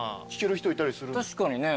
確かにね。